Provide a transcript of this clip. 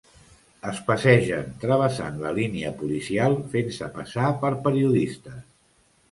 Es passegen travessant la línia policial fent-se passar per periodistes.